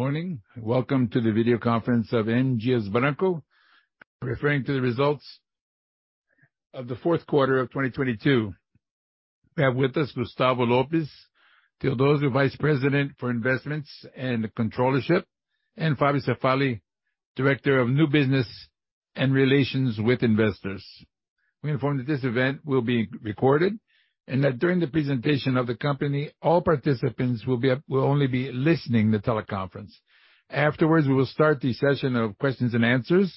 Good morning. Welcome to the video conference of M. Dias Branco. Referring to the results of the 4th quarter of 2022. We have with us Gustavo Lopes Theodozio, Vice President for Investments and Controllership, and Fabio Cefaly, Director of New Business and Relations with Investors. We inform that this event will be recorded and that during the presentation of the company, all participants will only be listening the teleconference. Afterwards, we will start the session of questions-and-answers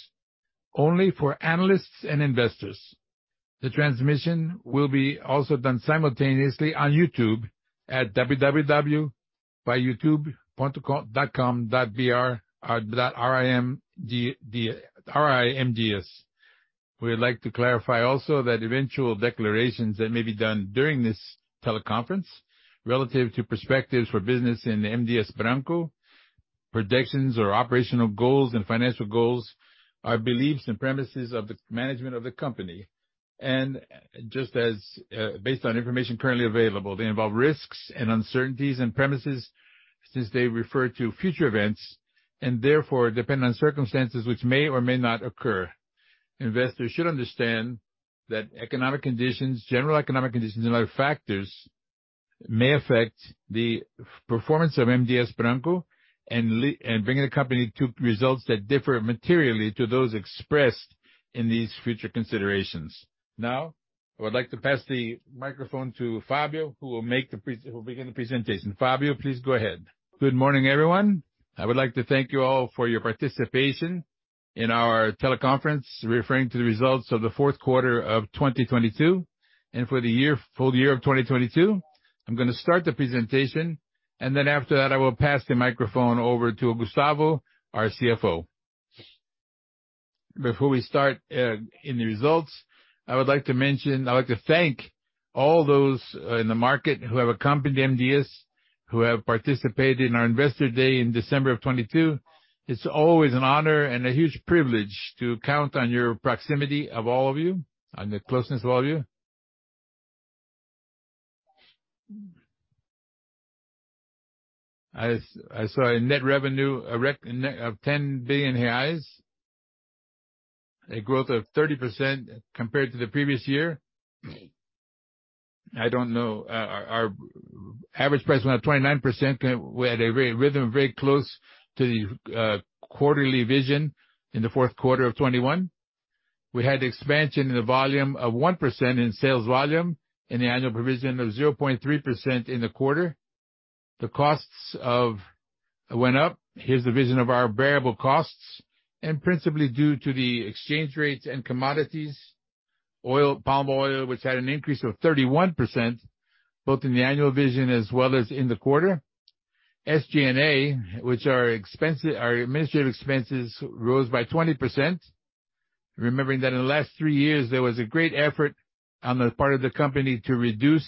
only for analysts and investors. The transmission will be also done simultaneously on YouTube at www.youtube.com.ri.mdias. We'd like to clarify also that eventual declarations that may be done during this teleconference relative to perspectives for business in M. Dias Branco, projections or operational goals and financial goals are beliefs and premises of the management of the company. Just as, based on information currently available, they involve risks and uncertainties and premises, since they refer to future events and therefore depend on circumstances which may or may not occur. Investors should understand that economic conditions, general economic conditions and other factors may affect the performance of M. Dias Branco and bringing the company to results that differ materially to those expressed in these future considerations. I would like to pass the microphone to Fabio, who will begin the presentation. Fabio, please go ahead. Good morning, everyone. I would like to thank you all for your participation in our teleconference, referring to the results of the fourth quarter of 2022 and for the year, full year of 2022. I'm gonna start the presentation, and then after that, I will pass the microphone over to Gustavo, our CFO. Before we start in the results, I would like to mention. I would like to thank all those in the market who have accompanied M. Dias, who have participated in our Investor Day in December of 2022. It's always an honor and a huge privilege to count on your proximity of all of you, on the closeness of all of you. I saw a net revenue, net of 10 billion reais, a growth of 30% compared to the previous year. I don't know, our average price went up 29%. We had a rhythm very close to the quarterly vision in the fourth quarter of 2021. We had expansion in the volume of 1% in sales volume and the annual provision of 0.3% in the quarter. The costs went up. Here's the vision of our variable costs, principally due to the exchange rates and commodities. Oil, palm oil, which had an increase of 31%, both in the annual vision as well as in the quarter. SG&A, which are expense, our administrative expenses rose by 20%. Remembering that in the last three years, there was a great effort on the part of the company to reduce.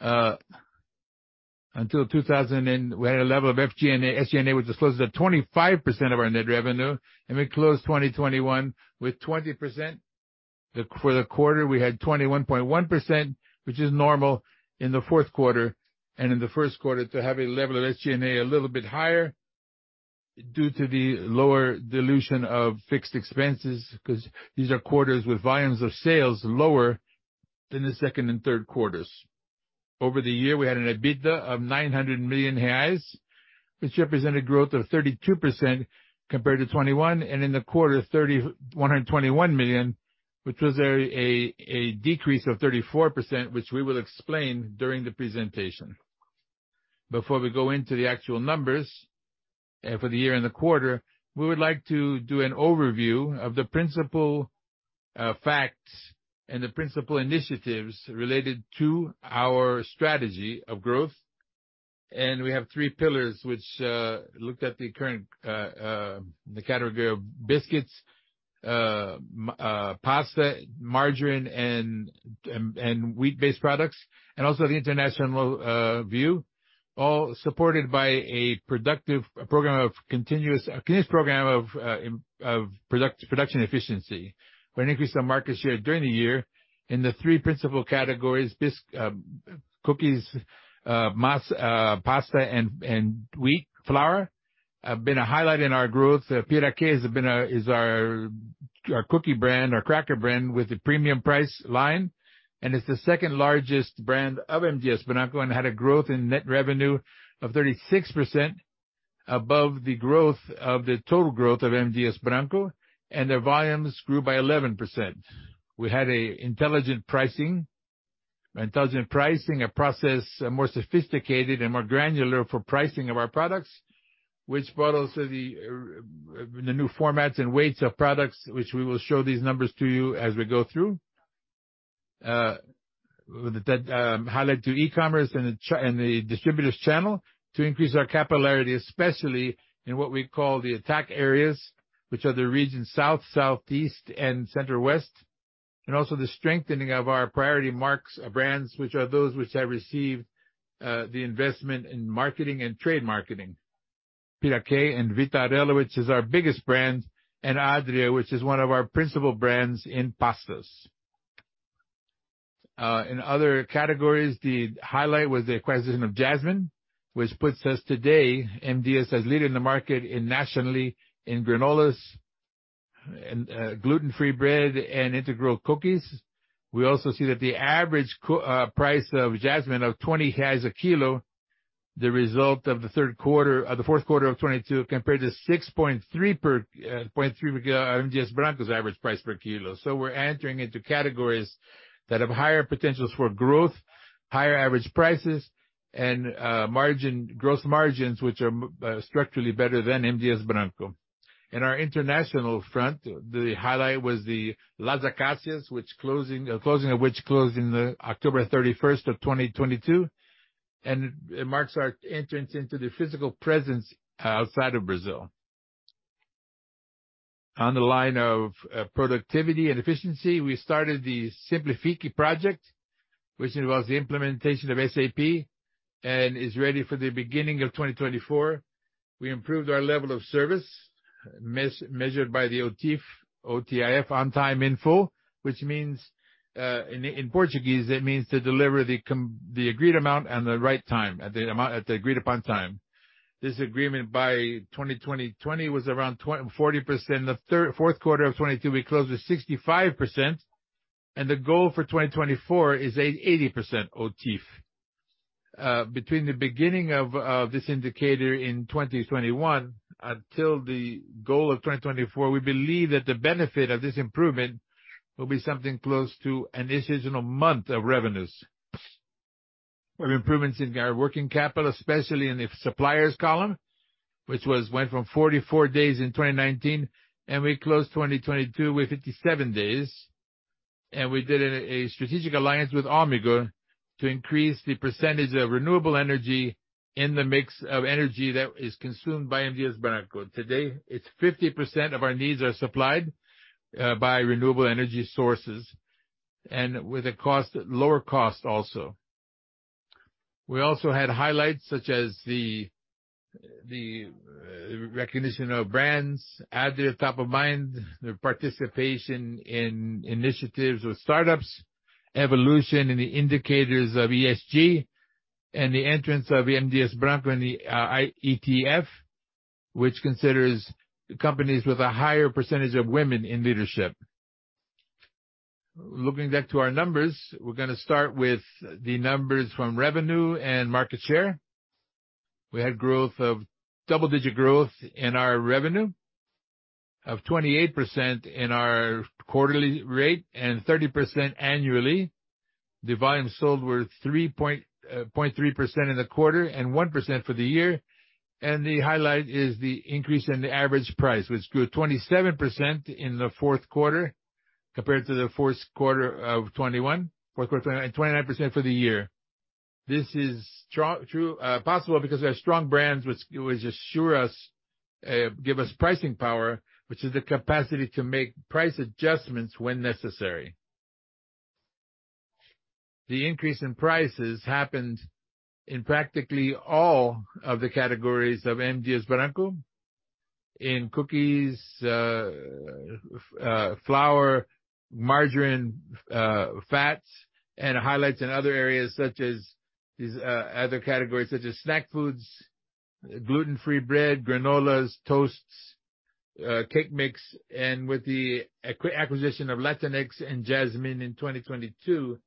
We had a level of SG&A, which discloses at 25% of our net revenue, and we closed 2021 with 20%. For the quarter we had 21.1%, which is normal in the fourth quarter and in the first quarter to have a level of SG&A a little bit higher because these are quarters with volumes of sales lower than the second and third quarters. Over the year, we had an EBITDA of 900 million reais, which represented growth of 32% compared to 2021, in the quarter, 121 million, which was a decrease of 34%, which we will explain during the presentation. Before we go into the actual numbers for the year and the quarter, we would like to do an overview of the principal facts and the principal initiatives related to our strategy of growth. We have three pillars which looked at the current category of biscuits, pasta, margarine and wheat-based products, also the international view, all supported by a productive program of continuous, a continuous program of production efficiency. We increased our market share during the year in the three principal categories: cookies, pasta and wheat flour, have been a highlight in our growth. Piraquê is our cookie brand, our cracker brand with a premium price line, it's the second largest brand of M. Dias Branco and had a growth in net revenue of 36% above the growth of the total growth of M. Dias Branco, and their volumes grew by 11%. We had a intelligent pricing. Intelligent pricing, a process more sophisticated and more granular for pricing of our products, which brought also the new formats and weights of products, which we will show these numbers to you as we go through. That highlight to e-commerce and the distributors channel to increase our capillarity, especially in what we call the attack areas, which are the regions South, Southeast, and Central West. Also the strengthening of our priority brands, which are those which have received the investment in marketing and trade marketing. Piraquê and Vitarella, which is our biggest brand, and Adria, which is one of our principal brands in pastas. In other categories, the highlight was the acquisition of Jasmine, which puts us today, M. Dias, as leading the market nationally in granolas and gluten-free bread and integral cookies. We also see that the average price of Jasmine of 20 a kilo, the result of the third quarter, the fourth quarter of 2022 compared to 6.3 regard M. Dias Branco's average price per kilo. We're entering into categories that have higher potentials for growth, higher average prices, and gross margins, which are structurally better than M. Dias Branco. In our international front, the highlight was the Las Acacias, which closing of which closed in the October 31st, 2022, and it marks our entrance into the physical presence outside of Brazil. On the line of productivity and efficiency, we started the Simplifique Project, which involves the implementation of SAP and is ready for the beginning of 2024. We improved our level of service, measured by the OTIF, O-T-I-F, On Time In Full, which means, in Portuguese, it means to deliver the agreed amount at the right time, at the agreed upon time. This agreement by 2020 was around 40%. The fourth quarter of 2022, we closed at 65%, and the goal for 2024 is 80% OTIF. Between the beginning of this indicator in 2021 until the goal of 2024, we believe that the benefit of this improvement will be something close to an additional month of revenues. We have improvements in our working capital, especially in the suppliers column, which was went from 44 days in 2019, and we closed 2022 with 57 days. We did a strategic alliance with Omega to increase the percentage of renewable energy in the mix of energy that is consumed by M. Dias Branco. Today, 50% of our needs are supplied by renewable energy sources, and with a lower cost also. We also had highlights such as the recognition of brands, added top of mind, the participation in initiatives with startups, evolution in the indicators of ESG, and the entrance of M. Dias Branco in the ELAS11, which considers companies with a higher percentage of women in leadership. Looking back to our numbers, we're gonna start with the numbers from revenue and market share. We had double-digit growth in our revenue of 28% in our quarterly rate and 30% annually. The volume sold were three point... 0.3% in the quarter and 1% for the year. The highlight is the increase in the average price, which grew 27% in the fourth quarter compared to the fourth quarter of 2021 and 29% for the year. This is possible because we have strong brands which assure us, give us pricing power, which is the capacity to make price adjustments when necessary. The increase in prices happened in practically all of the categories of M. Dias Branco. In cookies, flour, margarine, fats and highlights in other areas such as these, other categories such as snack foods, gluten-free bread, granolas, toasts, cake mix. With the acquisition of Latinex and Jasmine in 2022,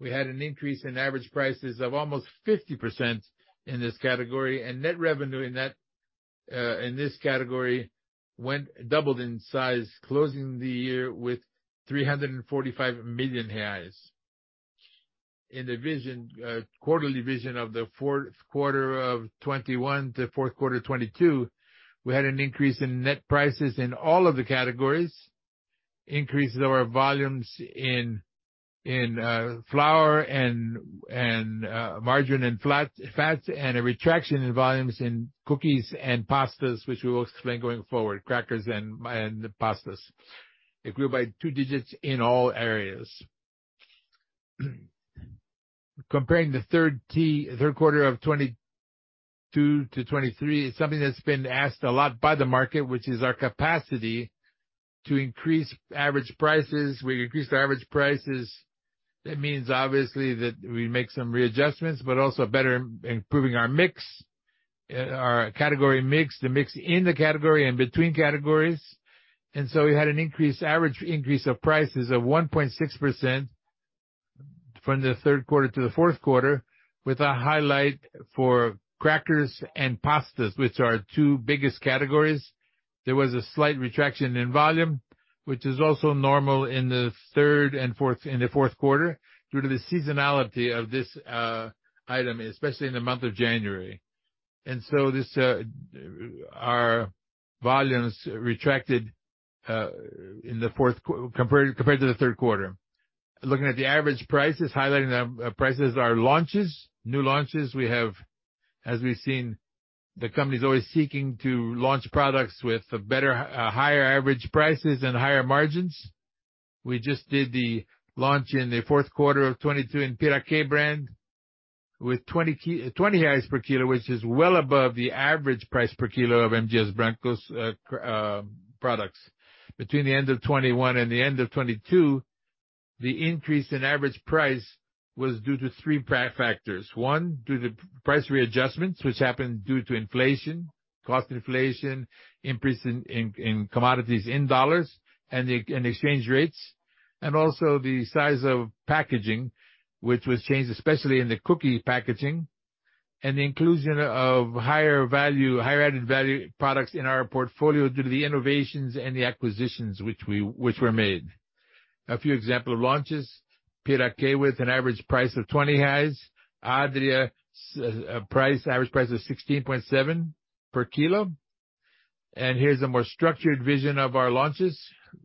we had an increase in average prices of almost 50% in this category. Net revenue in that, in this category doubled in size, closing the year with 345 million reais. In the vision, quarterly vision of the fourth quarter of 2021 to fourth quarter 2022, we had an increase in net prices in all of the categories. Increases our volumes in flour and margarine and fats, and a retraction in volumes in cookies and pastas, which we will explain going forward, crackers and pastas. It grew by two digits in all areas. Comparing the third quarter of 2022 to 2023, it's something that's been asked a lot by the market, which is our capacity to increase average prices. We increased our average prices. That means obviously that we make some readjustments, but also better improving our mix, our category mix, the mix in the category and between categories. We had an increased average increase of prices of 1.6% from the third quarter to the fourth quarter, with a highlight for crackers and pastas, which are our two biggest categories. There was a slight retraction in volume, which is also normal in the third and in the fourth quarter, due to the seasonality of this item, especially in the month of January. This our volumes retracted in the fourth compared to the third quarter. Looking at the average prices, highlighting the prices, our launches, new launches we have. As we've seen, the company's always seeking to launch products with better, higher average prices and higher margins. We just did the launch in the fourth quarter of 2022 in Piraquê brand. With 20 per kilo, which is well above the average price per kilo of M. Dias Branco's products. Between the end of 2021 and the end of 2022, the increase in average price was due to three factors. One, due to price readjustments which happened due to inflation, cost inflation, increase in commodities in dollars and exchange rates, and also the size of packaging, which was changed, especially in the cookie packaging and the inclusion of higher value, higher added value products in our portfolio due to the innovations and the acquisitions which were made. A few example of launches. Piraquê with an average price of 20. Adria price, average price of 16.7 per kilo. Here's a more structured vision of our launches,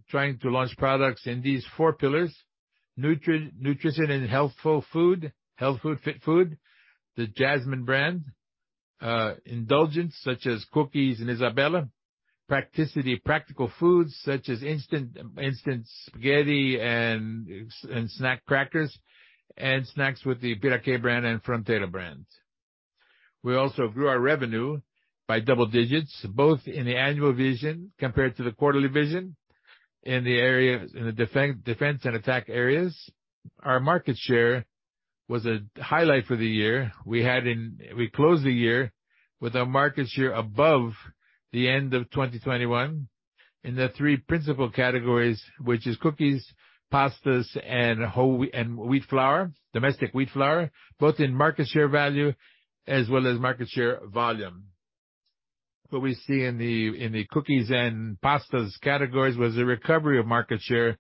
trying to launch products in these four pillars: nutri-nutrition and healthful food, health food, fit food, the Jasmine brand, indulgence such as cookies and Isabela, practicality, practical foods such as instant spaghetti and snack crackers and snacks with the Piraquê brand and Frontera brands. We also grew our revenue by double digits, both in the annual vision compared to the quarterly vision in the areas, in the defense and attack areas. Our market share was a highlight for the year. We closed the year with our market share above the end of 2021 in the three principal categories, which is cookies, pastas and whole wheat and wheat flour, domestic wheat flour, both in market share value as well as market share volume. What we see in the cookies and pastas categories was a recovery of market share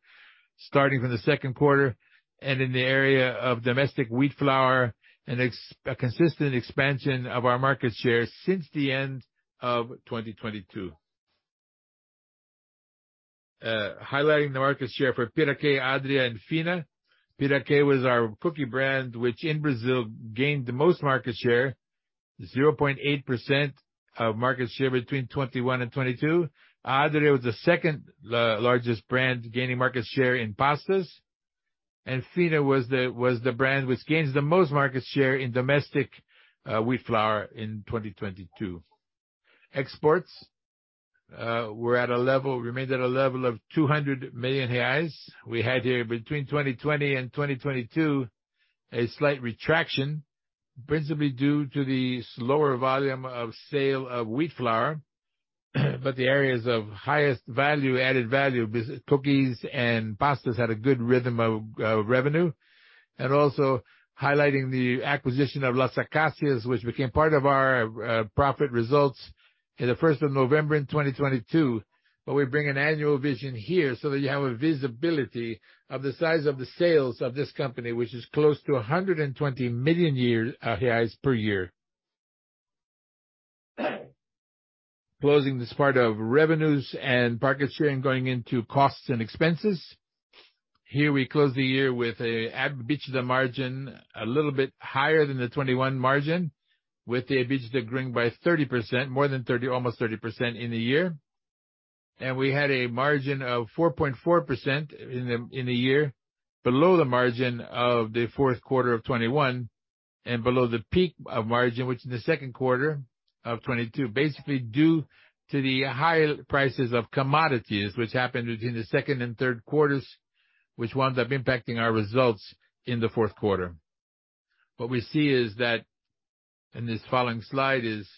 starting from the second quarter, and in the area of domestic wheat flour a consistent expansion of our market share since the end of 2022. Highlighting the market share for Piraquê, Adria and Finna. Piraquê was our cookie brand, which in Brazil gained the most market share, 0.8% of market share between 2021 and 2022. Adria was the second largest brand gaining market share in pastas, and Finna was the brand which gains the most market share in domestic wheat flour in 2022. Exports remained at a level of 200 million reais. We had here between 2020 and 2022, a slight retraction, principally due to the slower volume of sale of wheat flour, but the areas of highest value, added value, cookies and pastas had a good rhythm of revenue. Also highlighting the acquisition of Las Acacias, which became part of our profit results in the 1st of November in 2022. We bring an annual vision here so that you have a visibility of the size of the sales of this company, which is close to 120 million per year. Closing this part of revenues and market share and going into costs and expenses. Here we close the year with a EBITDA margin a little bit higher than the 2021 margin, with the EBITDA growing by 30%, more than 30%, almost 30% in the year. We had a margin of 4.4% in the year below the margin of the fourth quarter of 2021 and below the peak of margin, which in the second quarter of 2022, basically due to the higher prices of commodities which happened between the second and third quarters, which wound up impacting our results in the fourth quarter. What we see is that, in this following slide is,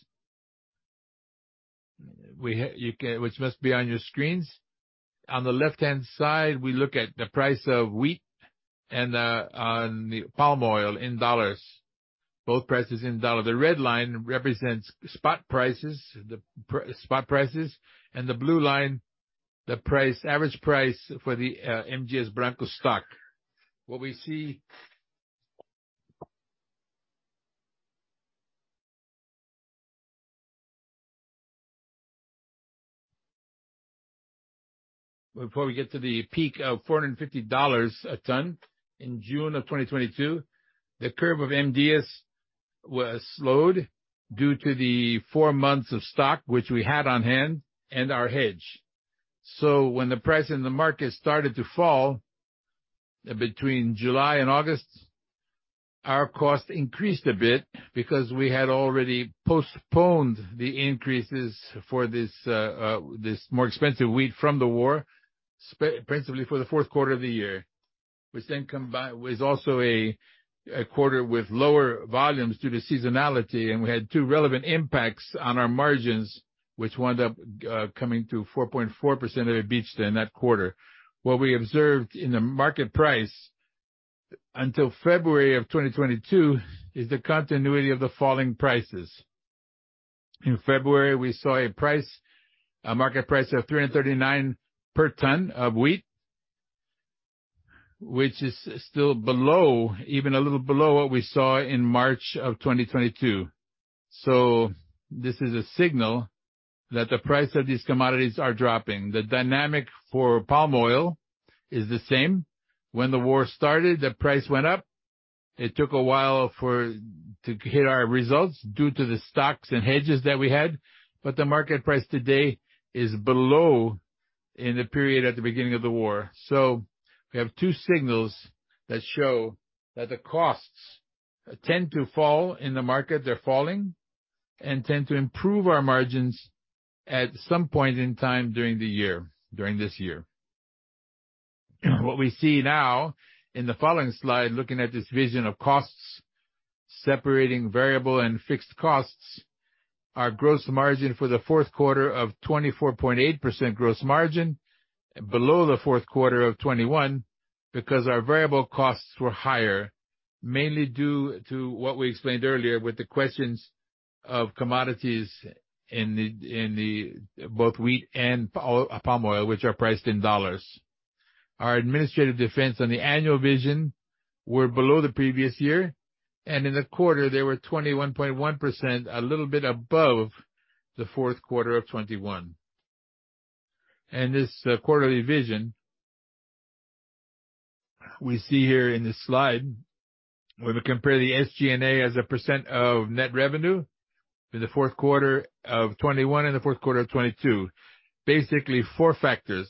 which must be on your screens. On the left-hand side, we look at the price of wheat and the palm oil in dollars. Both prices in dollars. The red line represents spot prices. Spot prices and the blue line, the price, average price for the M. Dias Branco stock. What we see. Before we get to the peak of $450 a ton in June of 2022, the curve of M. Dias was slowed due to the four months of stock, which we had on hand and our hedge. When the price in the market started to fall between July and August, our cost increased a bit because we had already postponed the increases for this more expensive wheat from the war principally for the fourth quarter of the year, which then was also a quarter with lower volumes due to seasonality, and we had two relevant impacts on our margins, which wound up coming to 4.4% of EBITDA in that quarter. We observed in the market price until February of 2022 is the continuity of the falling prices. In February, we saw a price, a market price of 339 per ton of wheat, which is still below, even a little below what we saw in March of 2022. This is a signal that the price of these commodities are dropping. The dynamic for palm oil is the same. When the war started, the price went up. It took a while to hit our results due to the stocks and hedges that we had. The market price today is below in the period at the beginning of the war. We have two signals that show that the costs tend to fall in the market, they're falling, and tend to improve our margins at some point in time during the year, during this year. What we see now in the following slide, looking at this vision of costs, separating variable and fixed costs, our gross margin for the fourth quarter of 24.8% gross margin below the fourth quarter of 2021, because our variable costs were higher, mainly due to what we explained earlier with the questions of commodities, both wheat and palm oil, which are priced in dollars. Our administrative defense on the annual vision were below the previous year, in the quarter, they were 21.1%, a little bit above the fourth quarter of 2021. This quarterly vision we see here in this slide, where we compare the SG&A as a percent of net revenue in the fourth quarter of 2021 and the fourth quarter of 2022. Basically four factors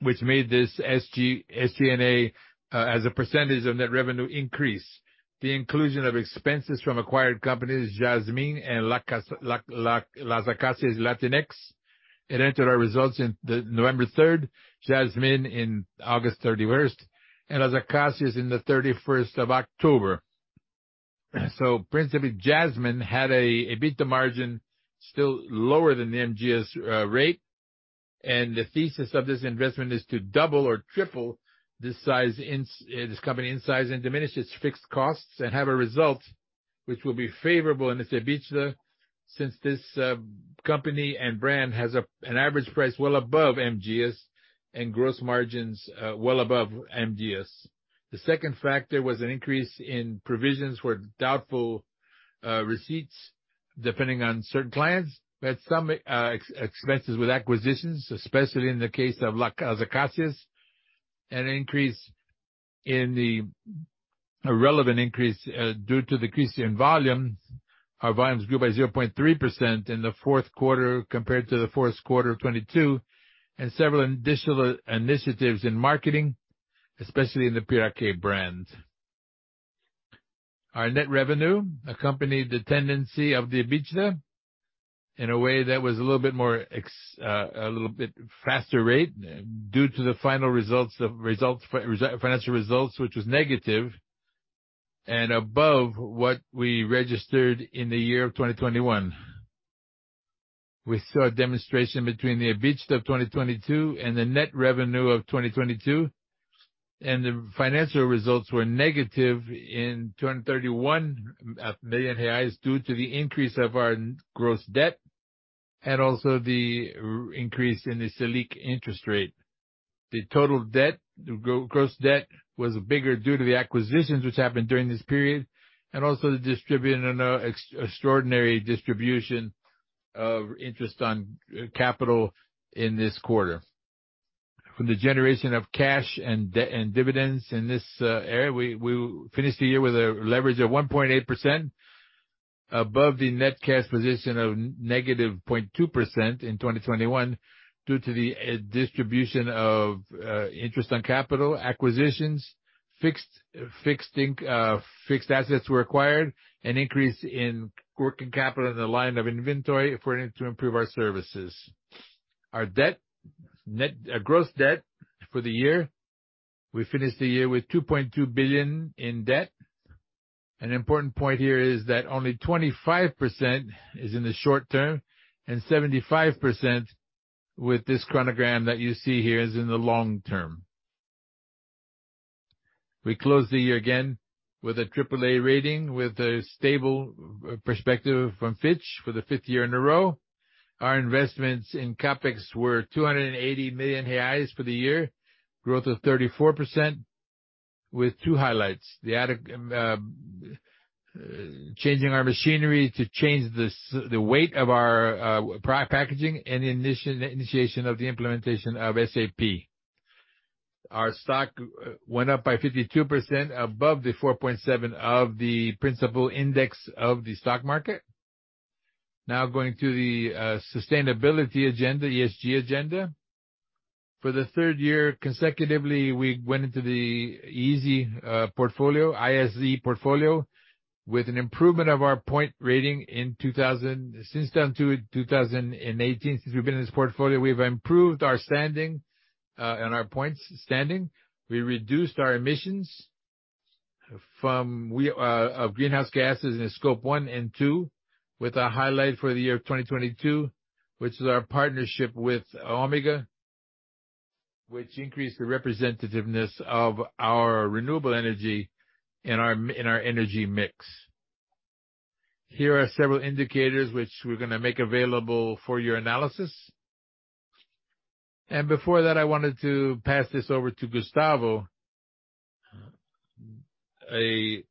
which made this SG&A as a % of net revenue increase. The inclusion of expenses from acquired companies, Jasmine and Las Acacias, Latinex. It entered our results in November 3rd, Jasmine in August 31st, and Las Acacias in the 31st of October. Principally, Jasmine had a EBITDA margin still lower than the M. Dias rate, and the thesis of this investment is to double or triple this company in size and diminish its fixed costs and have a result which will be favorable in this EBITDA, since this company and brand has an average price well above M. Dias and gross margins well above M. Dias. The second factor was an increase in provisions for doubtful receipts, depending on certain clients. We had some expenses with acquisitions, especially in the case of Las Acacias, a relevant increase due to decrease in volumes. Our volumes grew by 0.3% in the fourth quarter compared to the fourth quarter of 2022, and several additional initiatives in marketing, especially in the Piraquê brand. Our net revenue accompanied the tendency of the EBITDA in a way that was a little bit faster rate due to the final financial results, which was negative and above what we registered in the year of 2021. We saw a demonstration between the EBITDA of 2022 and the net revenue of 2022. The financial results were negative in 231 million reais due to the increase of our gross debt and also the increase in the Selic interest rate. The total debt, the gross debt was bigger due to the acquisitions which happened during this period, and also the extraordinary distribution of interest on capital in this quarter. For the generation of cash and dividends in this area, we finished the year with a leverage of 1.8% above the net cash position of -0.2% in 2021 due to the distribution of interest on capital, acquisitions, fixed assets were acquired, an increase in working capital in the line of inventory in order to improve our services. Our gross debt for the year, we finished the year with 2.2 billion in debt. An important point here is that only 25% is in the short term and 75% with this chronogram that you see here is in the long term. We closed the year again with a AAA rating, with a stable perspective from Fitch for the fifth year in a row. Our investments in CapEx were 280 million reais for the year, growth of 34% with two highlights. The added changing our machinery to change the weight of our packaging and the initiation of the implementation of SAP. Our stock went up by 52% above the 4.7% of the principal index of the stock market. Going to the sustainability agenda, ESG agenda. For the third year consecutively, we went into the ISE portfolio, with an improvement of our point rating since 2018. Since we've been in this portfolio, we've improved our standing and our points standing. We reduced our emissions from greenhouse gases in Scope 1 and 2, with our highlight for the year of 2022, which is our partnership with Omega, which increased the representativeness of our renewable energy in our energy mix. Here are several indicators which we're going to make available for your analysis. Before that, I wanted to pass this over to Gustavo. an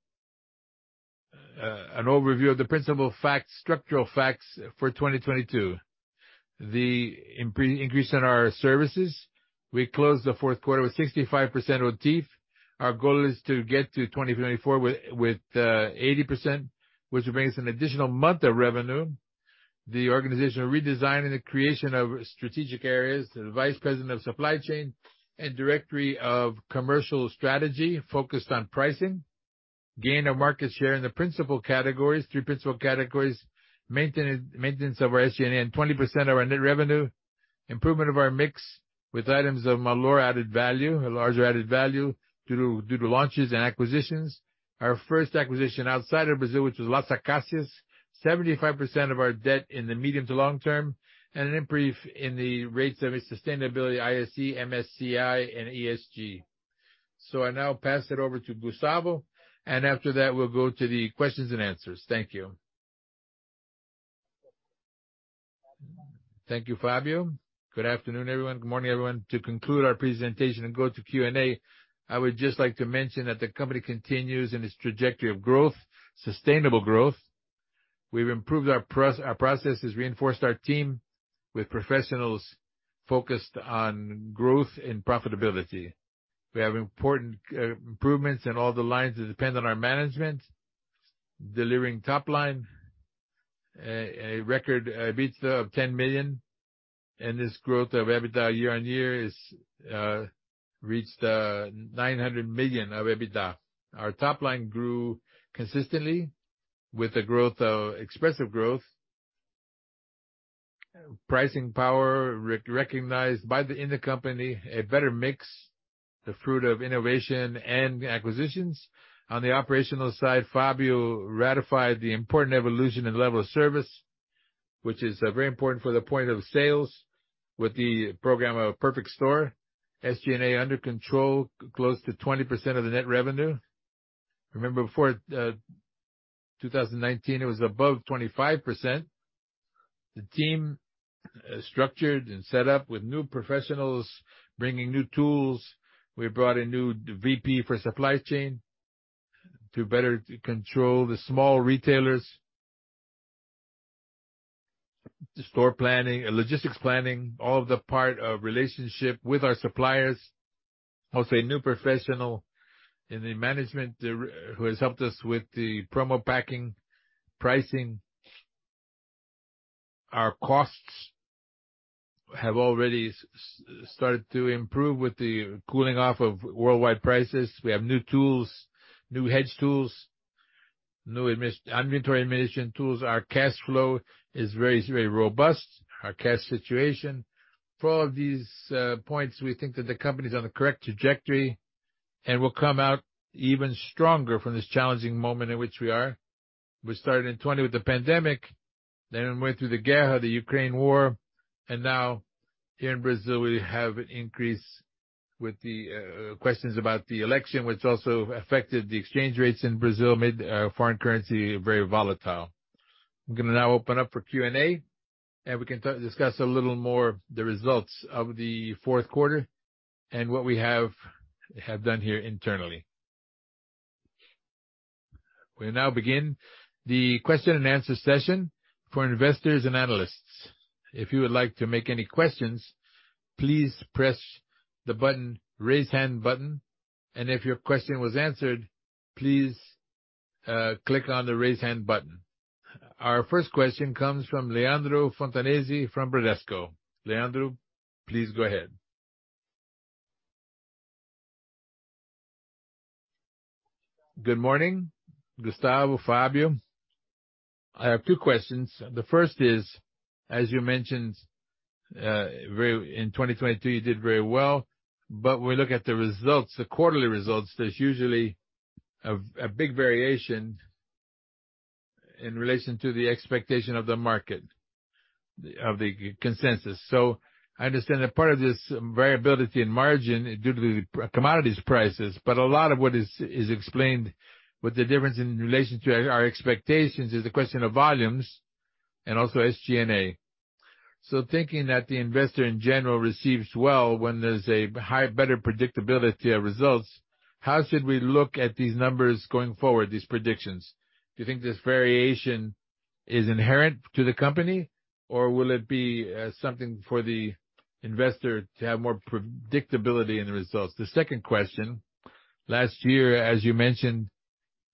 overview of the principal facts, structural facts for 2022. The increase in our services. We closed the fourth quarter with 65% OTIF. Our goal is to get to 2024 with 80%, which brings an additional month of revenue. The organizational redesign and the creation of strategic areas, the Vice President of supply chain and directory of commercial strategy focused on pricing. Gain of market share in the principle categories, three principle categories. Maintenance of our SG&A and 20% of our net revenue. Improvement of our mix with items of more added value, larger added value due to launches and acquisitions. Our first acquisition outside of Brazil, which was Las Acacias. 75% of our debt in the medium to long-term, and an improve in the rates of its sustainability ISE, MSCI and ESG. I now pass it over to Gustavo, and after that, we'll go to the questions and answers. Thank you. Thank you, Fabio. Good afternoon, everyone. Good morning, everyone. To conclude our presentation and go to Q&A, I would just like to mention that the company continues in its trajectory of growth, sustainable growth. We've improved our processes, reinforced our team with professionals focused on growth and profitability. We have important improvements in all the lines that depend on our management, delivering top line, a record EBITDA of 10 million, and this growth of EBITDA year-on-year is reached 900 million of EBITDA. Our top line grew consistently with the growth of expressive growth. Pricing power re-recognized in the company, a better mix, the fruit of innovation and acquisitions. On the operational side, Fabio Cefaly ratified the important evolution and level of service, which is very important for the point of sales with the program of Perfect Store. SG&A under control, close to 20% of the net revenue. Remember, before 2019, it was above 25%. The team structured and set up with new professionals bringing new tools. We brought a new VP for supply chain to better control the small retailers. Store planning, logistics planning, all of the part of relationship with our suppliers. Who's a new professional in the management who has helped us with the promo packing pricing. Our costs have already started to improve with the cooling off of worldwide prices. We have new tools, new hedge tools, new inventory management tools. Our cash flow is very robust, our cash situation. For all of these points, we think that the company is on the correct trajectory and will come out even stronger from this challenging moment in which we are. We started in 2020 with the pandemic, went through the guerra, the Ukraine war, now here in Brazil, we have an increase with the questions about the election, which also affected the exchange rates in Brazil, made foreign currency very volatile. I'm gonna now open up for Q&A. We can discuss a little more the results of the fourth quarter and what we have done here internally. We now begin the question and answer session for investors and analysts. If you would like to make any questions, please press the button, raise hand button. If your question was answered, please click on the raise hand button. Our first question comes from Leandro Fontanesi from Bradesco. Leandro, please go ahead. Good morning, Gustavo, Fabio. I have two questions. The first is, as you mentioned, in 2023, you did very well. When we look at the results, the quarterly results, there's usually a big variation in relation to the expectation of the market, of the consensus. I understand that part of this variability in margin is due to the commodities prices, but a lot of what is explained with the difference in relation to our expectations is the question of volumes and also SG&A. Thinking that the investor in general receives well when there's a high, better predictability of results, how should we look at these numbers going forward, these predictions? Do you think this variation is inherent to the company, or will it be something for the investor to have more predictability in the results? The second question. Last year, as you mentioned,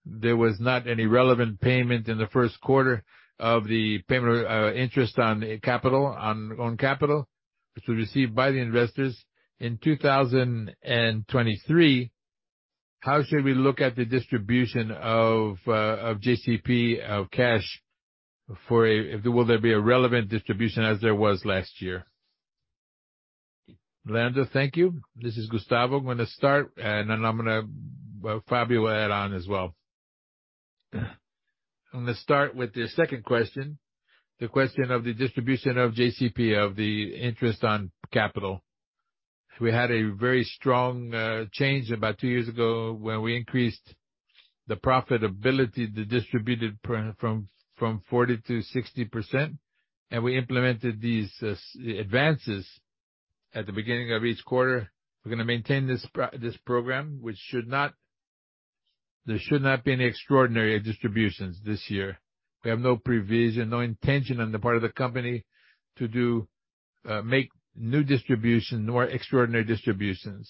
there was not any relevant payment in the first quarter of the payment, interest on capital, on capital to received by the investors. In 2023, how should we look at the distribution of JCP, of cash for a... Will there be a relevant distribution as there was last year? Leandro, thank you. This is Gustavo. I'm gonna start, and then I'm gonna Fabio will add on as well. I'm gonna start with the second question, the question of the distribution of JCP, of the interest on capital. We had a very strong change about two years ago when we increased the profitability, the distributed from 40% to 60%, and we implemented these advances at the beginning of each quarter. We're gonna maintain this program, which should not be any extraordinary distributions this year. We have no provision, no intention on the part of the company to do make new distribution nor extraordinary distributions.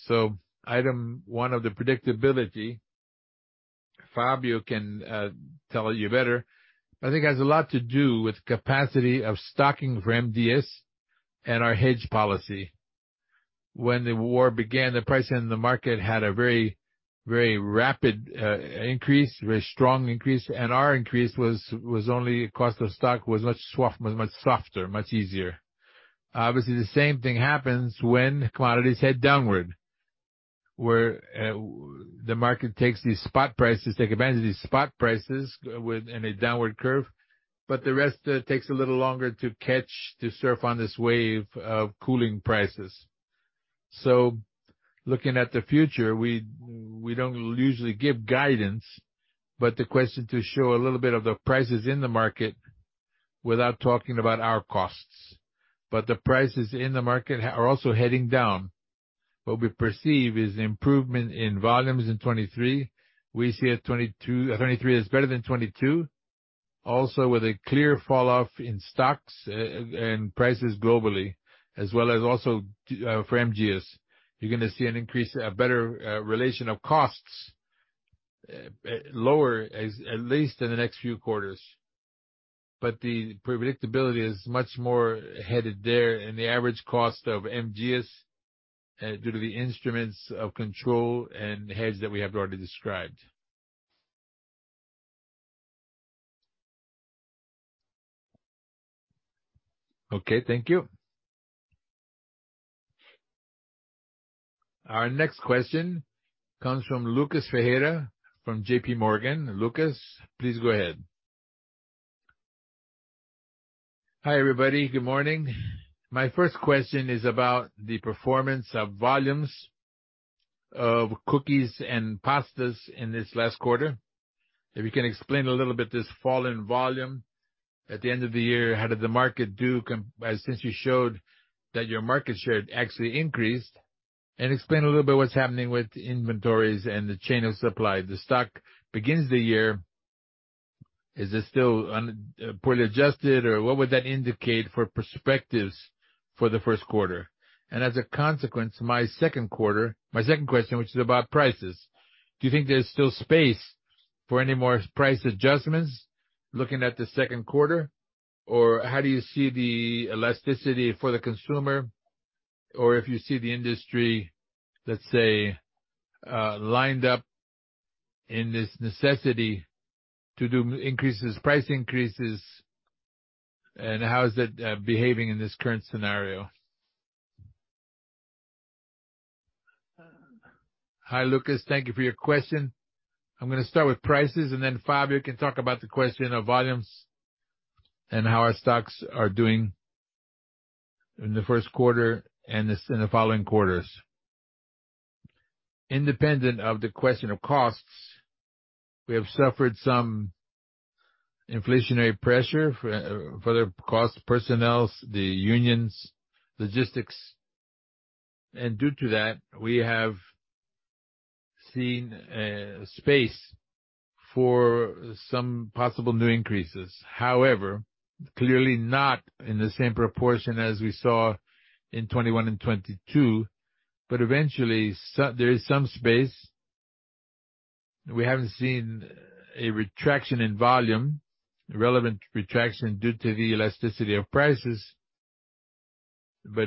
Item one of the predictability, Fabio can tell you better, but I think has a lot to do with capacity of stocking for M. Dias Branco and our hedge policy. When the guerra began, the price in the market had a very rapid increase, very strong increase, and our increase was only cost of stock, was much softer, much easier. Obviously, the same thing happens when commodities head downward, where the market takes these spot prices, take advantage of these spot prices with any downward curve, but the rest takes a little longer to catch, to surf on this wave of cooling prices. Looking at the future, we don't usually give guidance, but the question to show a little bit of the prices in the market without talking about our costs. The prices in the market are also heading down. What we perceive is improvement in volumes in 2023. We see that 2023 is better than 2022. With a clear fall off in stocks and prices globally, as well as for M. Dias. You're gonna see an increase, a better relation of costs, lower as at least in the next few quarters. The predictability is much more headed there and the average cost of M. Dias, due to the instruments of control and hedge that we have already described. Okay, thank you. Our next question comes from Lucas Ferreira from JPMorgan. Lucas, please go ahead. Hi, everybody. Good morning. My first question is about the performance of volumes of cookies and pastas in this last quarter. If you can explain a little bit this fall in volume at the end of the year, how did the market do since you showed that your market share had actually increased. Explain a little bit what's happening with inventories and the chain of supply. The stock begins the year, is it still poorly adjusted, or what would that indicate for perspectives for the first quarter? As a consequence, my second question, which is about prices. Do you think there's still space for any more price adjustments looking at the second quarter? How do you see the elasticity for the consumer? If you see the industry, let's say, lined up in this necessity to do increases, price increases, and how is it behaving in this current scenario? Hi, Lucas. Thank you for your question. I'm gonna start with prices. Then Fabio can talk about the question of volumes and how our stocks are doing in the first quarter and this in the following quarters. Independent of the question of costs, we have suffered some inflationary pressure for the cost personnel, the unions, logistics. Due to that, we have seen space for some possible new increases. However, clearly not in the same proportion as we saw in 2021 and 2022, but eventually there is some space. We haven't seen a retraction in volume, relevant retraction due to the elasticity of prices.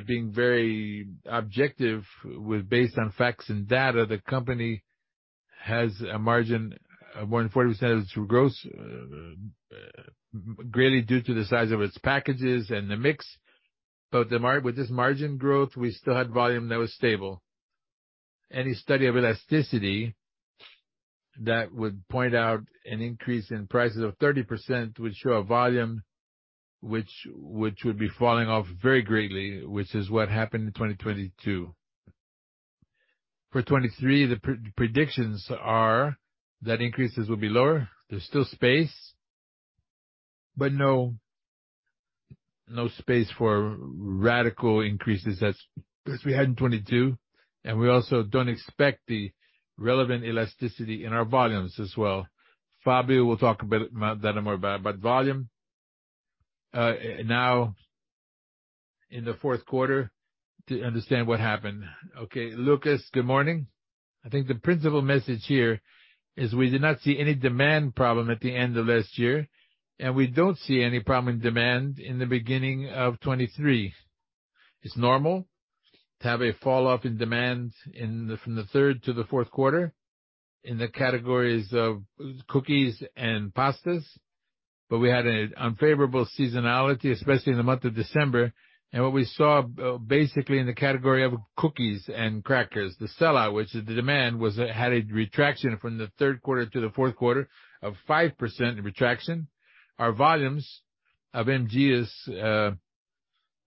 Being very objective with based on facts and data, the company has a margin of more than 40% of its gross, greatly due to the size of its packages and the mix. With this margin growth, we still had volume that was stable. Any study of elasticity that would point out an increase in prices of 30% would show a volume which would be falling off very greatly, which is what happened in 2022. For 2023, the pre-predictions are that increases will be lower. There's still space, but no space for radical increases as we had in 2022, and we also don't expect the relevant elasticity in our volumes as well. Fabio will talk a bit that more about volume now in the fourth quarter to understand what happened. Okay, Lucas, good morning. I think the principal message here is we did not see any demand problem at the end of last year, and we don't see any problem in demand in the beginning of 2023. It's normal to have a fall off in demand in the, from the third to the fourth quarter in the categories of cookies and pastas, but we had an unfavorable seasonality, especially in the month of December. What we saw basically in the category of cookies and crackers, the sellout, which is the demand, had a retraction from the third quarter to the fourth quarter of 5% retraction. Our volumes of M. Dias,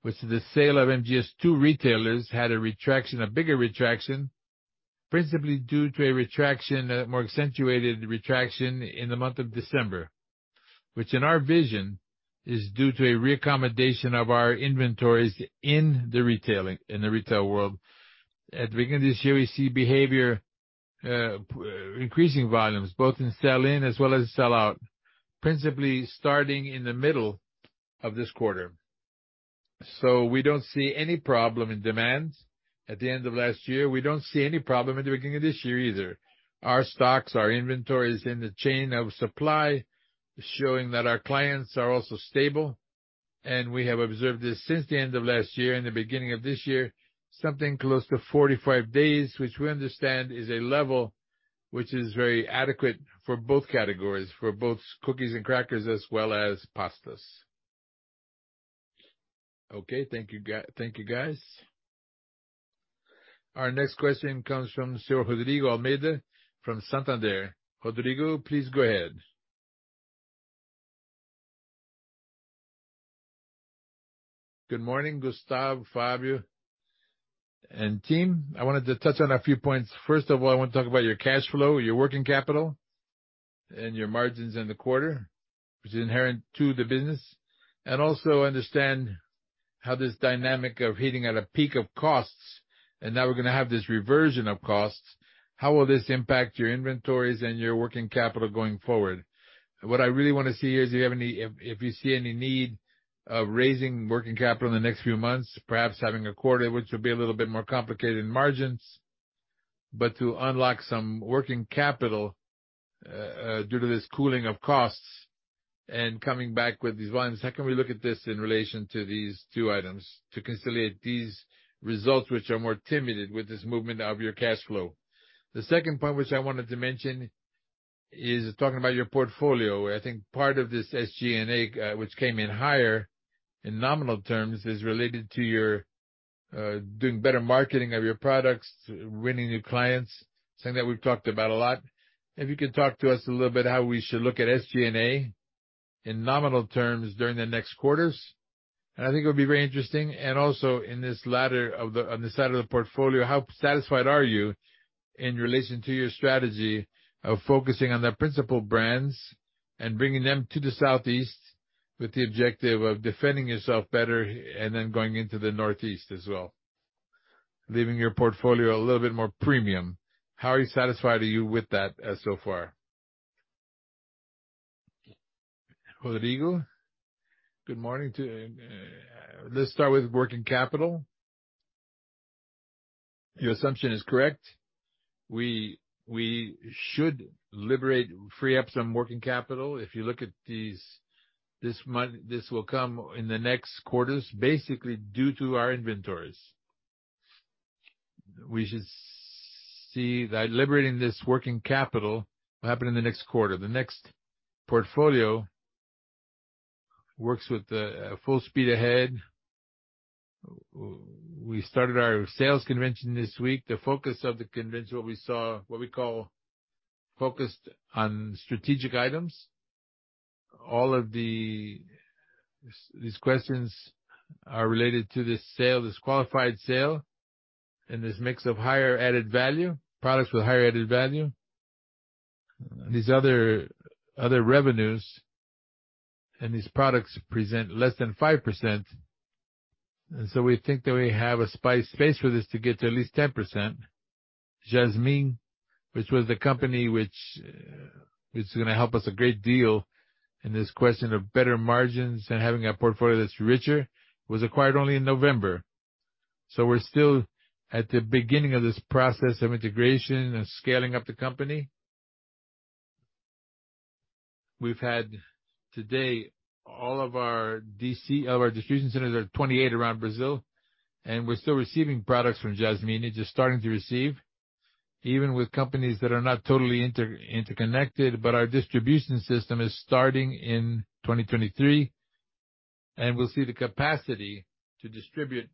which is the sale of M. Dias to retailers, had a retraction, a bigger retraction, principally due to a retraction, a more accentuated retraction in the month of December, which in our vision is due to a reaccommodation of our inventories in the retail world. At the beginning of this year, we see behavior, increasing volumes both in sell-in as well as sell-out, principally starting in the middle of this quarter. We don't see any problem in demands at the end of last year. We don't see any problem at the beginning of this year either. Our stocks, our inventories in the chain of supply showing that our clients are also stable, and we have observed this since the end of last year and the beginning of this year, something close to 45 days, which we understand is a level which is very adequate for both categories, for both cookies and crackers as well as pastas. Okay, thank you, guys. Our next question comes from Rodrigo Almeida from Santander. Rodrigo, please go ahead. Good morning, Gustavo, Fabio, and team. I wanted to touch on a few points. First of all, I want to talk about your cash flow, your working capital, and your margins in the quarter, which is inherent to the business. Also understand how this dynamic of hitting at a peak of costs, and now we're gonna have this reversion of costs. How will this impact your inventories and your working capital going forward? What I really wanna see here is, do you have any, if you see any need of raising working capital in the next few months, perhaps having a quarter, which will be a little bit more complicated in margins, but to unlock some working capital due to this cooling of costs and coming back with these volumes. How can we look at this in relation to these two items to conciliate these results, which are more timid with this movement of your cash flow? The second point which I wanted to mention is talking about your portfolio. I think part of this SG&A, which came in higher in nominal terms, is related to your, doing better marketing of your products, winning new clients, something that we've talked about a lot. If you could talk to us a little bit how we should look at SG&A in nominal terms during the next quarters. I think it would be very interesting. Also on this side of the portfolio, how satisfied are you in relation to your strategy of focusing on the principal brands and bringing them to the southeast with the objective of defending yourself better and then going into the northeast as well, leaving your portfolio a little bit more premium? How satisfied are you with that as so far? Rodrigo, good morning to you. Let's start with working capital. Your assumption is correct. We should liberate, free up some working capital. If you look at this will come in the next quarters, basically due to our inventories. We should see that liberating this working capital will happen in the next quarter. The next portfolio works with the full speed ahead. We started our sales convention this week. The focus of the convention, what we call focused on strategic items. All of these questions are related to this sale, this qualified sale, and this mix of higher added value, products with higher added value. These other revenues and these products present less than 5%, we think that we have a space for this to get to at least 10%. Jasmine, which was the company which is gonna help us a great deal in this question of better margins and having a portfolio that's richer, was acquired only in November. We're still at the beginning of this process of integration and scaling up the company. We've had today all of our distribution centers are 28 around Brazil, and we're still receiving products from Jasmine. It's just starting to receive, even with companies that are not totally interconnected, but our distribution system is starting in 2023, and we'll see the capacity to distribute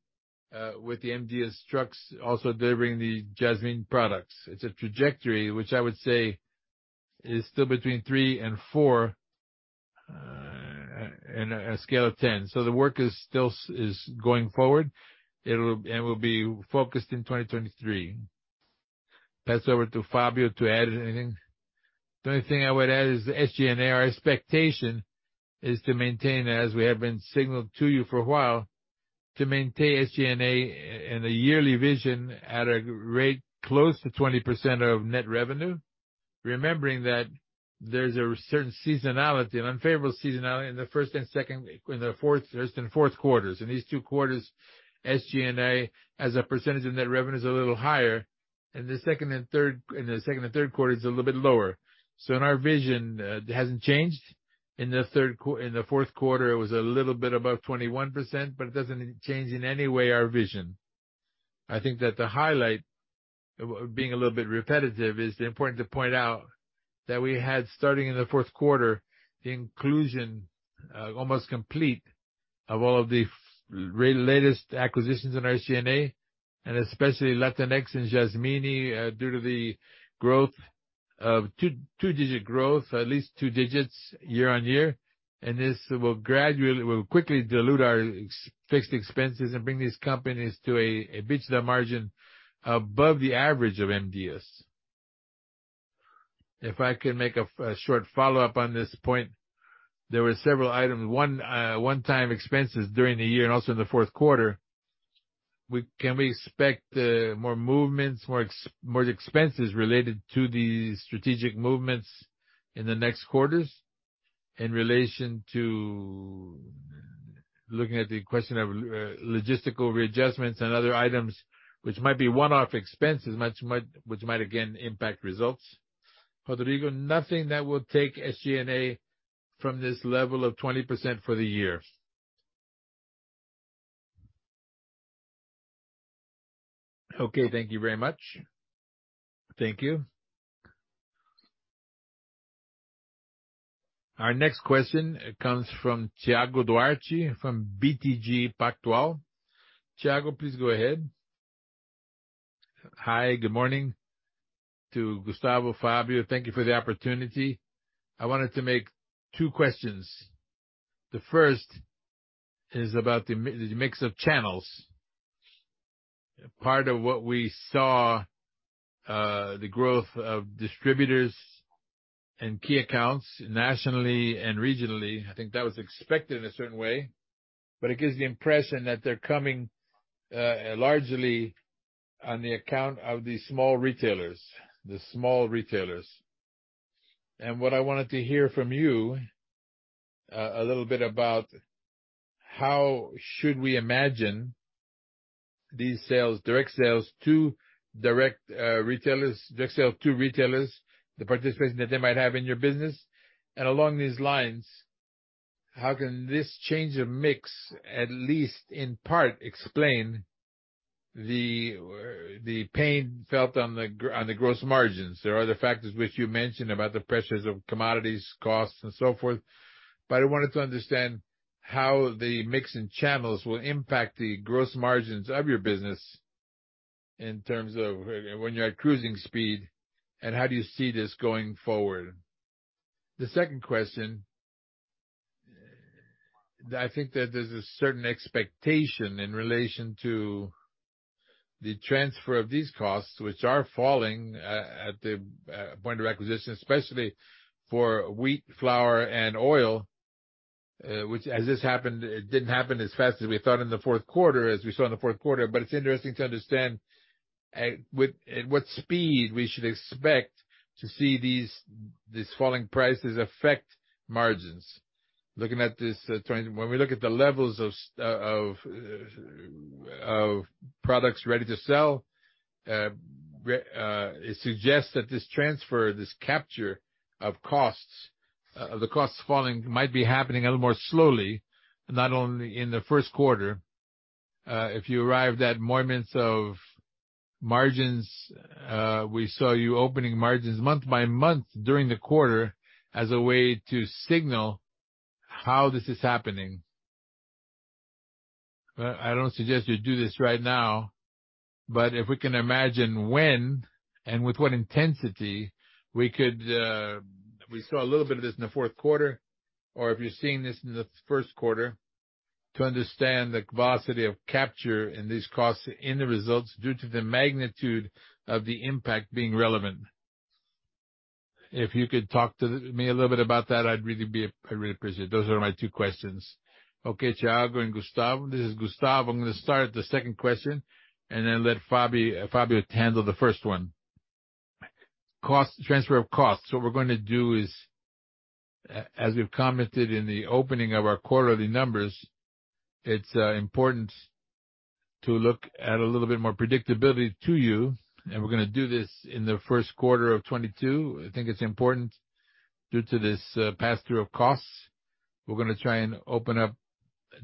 with the M. Dias trucks also delivering the Jasmine products. It's a trajectory which I would say is still between three and four in a scale of 10. The work is still going forward and will be focused in 2023. Pass over to Fabio to add anything. The only thing I would add is the SG&A. Our expectation is to maintain, as we have been signaled to you for a while, to maintain SG&A in a yearly vision at a rate close to 20% of net revenue. Remembering that there's a certain seasonality, an unfavorable seasonality in the first and fourth quarters. In these two quarters, SG&A as a percentage of net revenue is a little higher. In the second and third quarter, it's a little bit lower. In our vision, it hasn't changed. In the fourth quarter, it was a little bit above 21%, but it doesn't change in any way our vision. I think that the highlight, being a little bit repetitive, is the important to point out that we had, starting in the fourth quarter, the inclusion, almost complete of all of the latest acquisitions in our SG&A, and especially Latinex and Jasmine, due to the growth of two-digit growth, at least two digits year-on-year. This will quickly dilute our fixed expenses and bring these companies to a EBITDA margin above the average of M. Dias. If I can make a short follow-up on this point. There were several items, one-time expenses during the year and also in the fourth quarter. Can we expect more movements, more expenses related to these strategic movements in the next quarters in relation to looking at the question of logistical readjustments and other items which might be one-off expenses which might again impact results? Rodrigo, nothing that will take SG&A from this level of 20% for the year. Okay. Thank you very much. Thank you. Our next question comes from Thiago Duarte from BTG Pactual. Thiago, please go ahead. Hi, good morning to Gustavo, Fabio. Thank you for the opportunity. I wanted to make two questions. The first is about the mix of channels. Part of what we saw, the growth of distributors and key accounts nationally and regionally, I think that was expected in a certain way, but it gives the impression that they're coming, largely on the account of the small retailers. The small retailers. What I wanted to hear from you, a little bit about how should we imagine these sales, direct sales to direct retailers, direct sale to retailers, the participation that they might have in your business. Along these lines, how can this change of mix, at least in part, explain the pain felt on the gross margins? There are other factors which you mentioned about the pressures of commodities costs and so forth, I wanted to understand how the mix in channels will impact the gross margins of your business in terms of when you're at cruising speed, and how do you see this going forward. The second question, I think that there's a certain expectation in relation to the transfer of these costs which are falling at the point of acquisition, especially for wheat, flour, and oil, which as this happened, it didn't happen as fast as we thought in the fourth quarter, as we saw in the fourth quarter. It's interesting to understand at what speed we should expect to see these falling prices affect margins. Looking at this trend, when we look at the levels of products ready to sell, it suggests that this transfer, this capture of costs, the costs falling might be happening a little more slowly, not only in the first quarter. If you arrived at moments of margins, we saw you opening margins month-by-month during the quarter as a way to signal how this is happening. I don't suggest you do this right now, but if we can imagine when and with what intensity we could, we saw a little bit of this in the fourth quarter, or if you're seeing this in the first quarter, to understand the velocity of capture in these costs in the results due to the magnitude of the impact being relevant. If you could talk to me a little bit about that, I'd really appreciate it. Those are my two questions. Okay. Thiago, I'm Gustavo. This is Gustavo. I'm going to start at the second question and then let Fabio, Fabio handle the first one. Transfer of cost. What we're gonna do is, as we've commented in the opening of our quarterly numbers, it's important to look at a little bit more predictability to you. We're gonna do this in the first quarter of 2022. I think it's important due to this pass-through of costs. We're gonna try and open up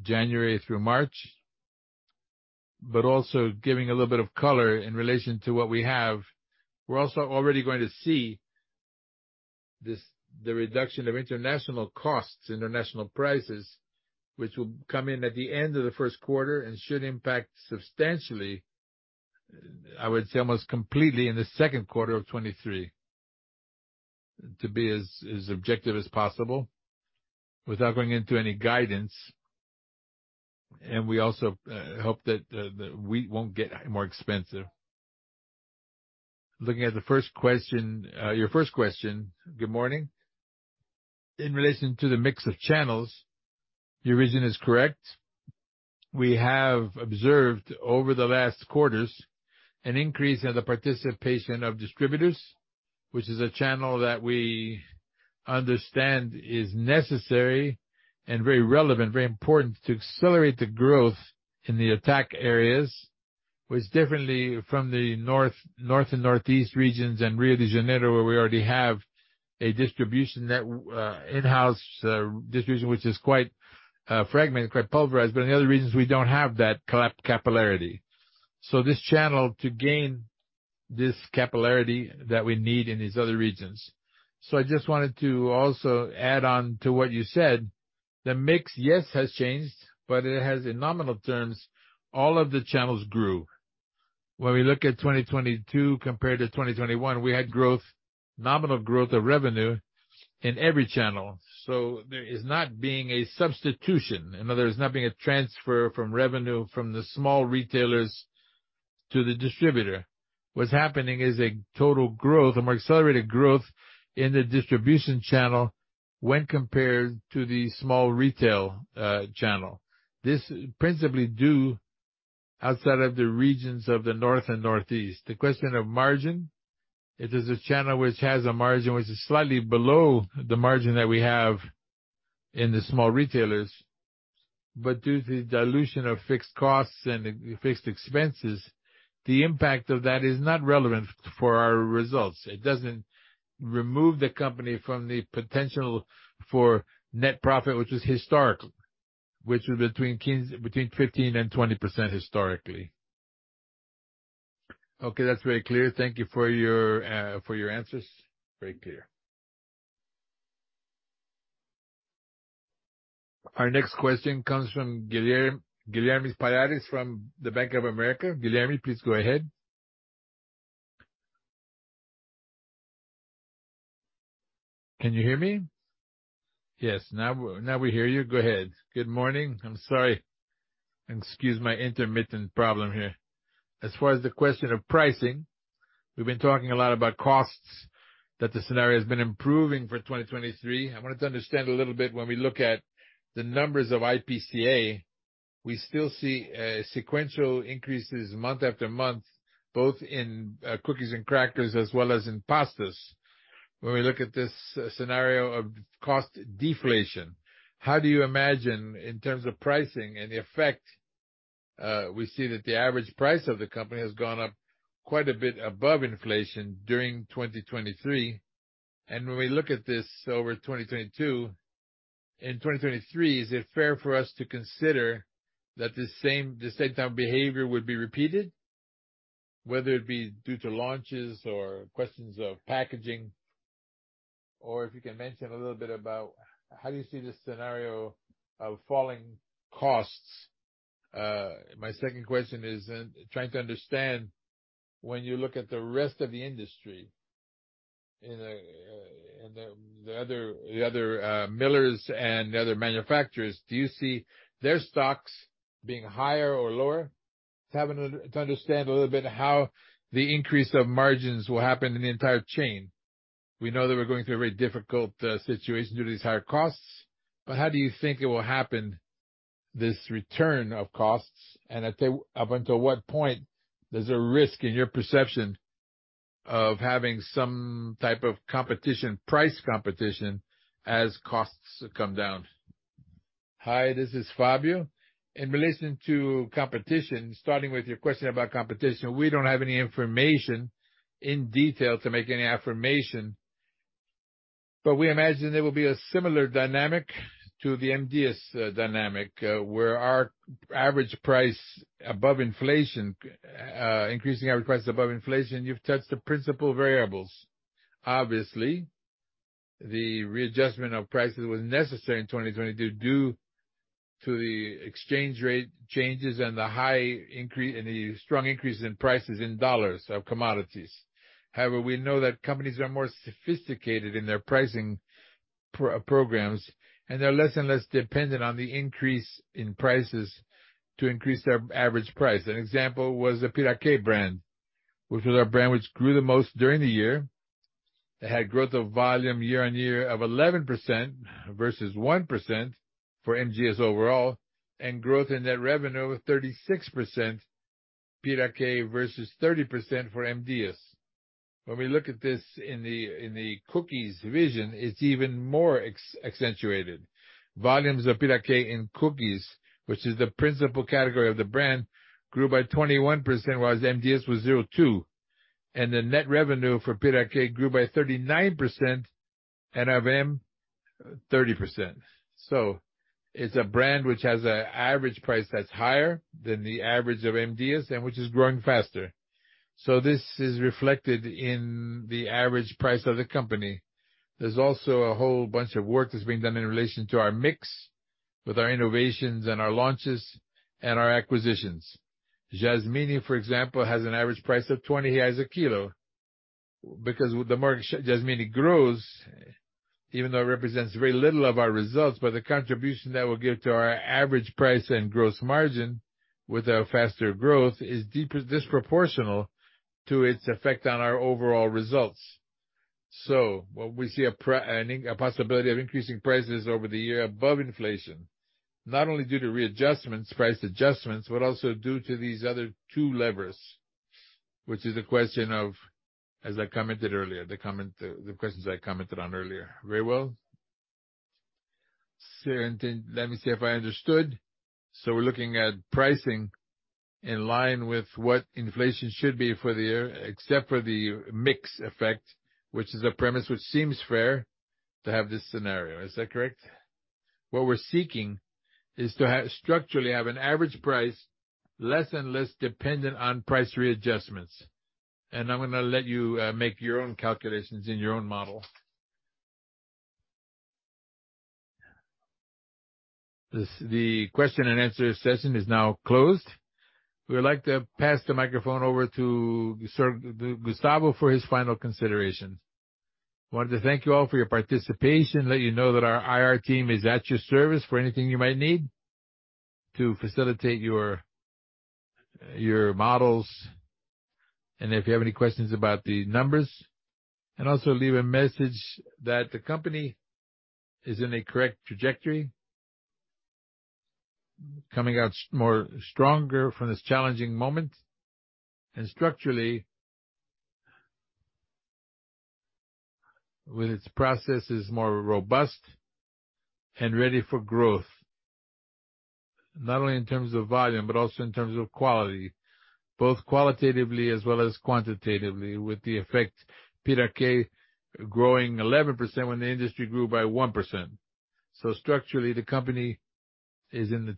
January through March, also giving a little bit of color in relation to what we have. We're also already going to see the reduction of international costs, international prices, which will come in at the end of the first quarter should impact substantially, I would say almost completely in the second quarter of 2023. To be as objective as possible without going into any guidance. We also hope that the wheat won't get more expensive. Looking at the first question, your first question, good morning. In relation to the mix of channels, your reason is correct. We have observed over the last quarters an increase in the participation of distributors, which is a channel that we understand is necessary and very relevant, very important to accelerate the growth in the attack areas. Which differently from the North and Northeast regions and Rio de Janeiro, where we already have a distribution net, in-house, distribution, which is quite, fragmented, quite pulverized. In the other regions, we don't have that capillarity. This channel to gain this capillarity that we need in these other regions. I just wanted to also add on to what you said. The mix, yes, has changed, but it has in nominal terms, all of the channels grew. When we look at 2022 compared to 2021, we had growth, nominal growth of revenue in every channel. There is not being a substitution. In other words, there's not being a transfer from revenue from the small retailers to the distributor. What's happening is a total growth, a more accelerated growth in the distribution channel when compared to the small retail channel. This principally due outside of the regions of the north and northeast. The question of margin, it is a channel which has a margin which is slightly below the margin that we have in the small retailers. Due to the dilution of fixed costs and fixed expenses, the impact of that is not relevant for our results. It doesn't remove the company from the potential for net profit, which is historical, which is between 15%-20% historically. Okay, that's very clear. Thank you for your for your answers. Very clear. Our next question comes from Guilherme Palhares from the Bank of America. Guilherme, please go ahead. Can you hear me? Yes. Now we hear you. Go ahead. Good morning. I'm sorry. Excuse my intermittent problem here. As far as the question of pricing, we've been talking a lot about costs that the scenario has been improving for 2023. I wanted to understand a little bit when we look at the numbers of IPCA, we still see sequential increases month after month, both in cookies and crackers as well as in pastas. When we look at this scenario of cost deflation, how do you imagine in terms of pricing and the effect, we see that the average price of the company has gone up quite a bit above inflation during 2023. When we look at this over 2022, in 2023, is it fair for us to consider that the same type of behavior would be repeated, whether it be due to launches or questions of packaging? If you can mention a little bit about how do you see the scenario of falling costs. My second question is in trying to understand when you look at the rest of the industry and the other millers and the other manufacturers, do you see their stocks being higher or lower? To having to understand a little bit how the increase of margins will happen in the entire chain. We know that we're going through a very difficult situation due to these higher costs, but how do you think it will happen, this return of costs? I'd say up until what point there's a risk in your perception of having some type of competition, price competition, as costs come down. Hi, this is Fabio. In relation to competition, starting with your question about competition, we don't have any information in detail to make any affirmation, but we imagine there will be a similar dynamic to the M. Dias dynamic, where our average price above inflation, increasing our price above inflation, you've touched the principal variables. Obviously, the readjustment of prices was necessary in 2020 due to the exchange rate changes and the high increase and the strong increase in prices in dollars of commodities. However, we know that companies are more sophisticated in their pricing pro-programs, and they're less and less dependent on the increase in prices to increase their average price. An example was the Piraquê brand, which was our brand which grew the most during the year. It had growth of volume year-on-year of 11% versus 1% for M. Dias overall, and growth in net revenue of 36% Piraquê versus 30% for M. Dias. When we look at this in the cookies division, it's even more ex-accentuated. Volumes of Piraquê in cookies, which is the principal category of the brand, grew by 21%, whereas M. Dias was 0.2%. The net revenue for Piraquê grew by 39%, and of M. Dias, 30%. It's a brand which has an average price that's higher than the average of M. Dias and which is growing faster. This is reflected in the average price of the company. There's also a whole bunch of work that's being done in relation to our mix with our innovations and our launches and our acquisitions. Jasmine, for example, has an average price of 20 reais a kilo. Because the market Jasmine grows, even though it represents very little of our results, but the contribution that will give to our average price and gross margin with our faster growth is disproportional to its effect on our overall results. What we see a possibility of increasing prices over the year above inflation, not only due to readjustments, price adjustments, but also due to these other two levers, which is a question of, as I commented earlier, the comment, the questions I commented on earlier. Very well. Let me see if I understood. We're looking at pricing in line with what inflation should be for the year, except for the mix effect, which is a premise which seems fair to have this scenario. Is that correct? What we're seeking is structurally have an average price less and less dependent on price readjustments. I'm gonna let you make your own calculations in your own model. The question and answer session is now closed. We would like to pass the microphone over to Sir Gustavo for his final considerations. I wanted to thank you all for your participation, let you know that our IR team is at your service for anything you might need to facilitate your models, and if you have any questions about the numbers. Also leave a message that the company is in a correct trajectory, coming out more stronger from this challenging moment. Structurally, with its processes more robust and ready for growth, not only in terms of volume, but also in terms of quality, both qualitatively as well as quantitatively, with the effect Piraquê growing 11% when the industry grew by 1%. Structurally, the company is in the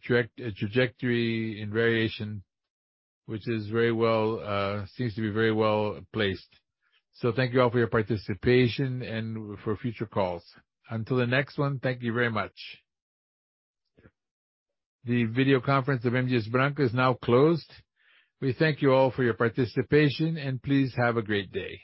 trajectory in variation, which is very well, seems to be very well placed. Thank you all for your participation and for future calls. Until the next one, thank you very much. The video conference of M. Dias Branco is now closed. We thank you all for your participation, and please have a great day.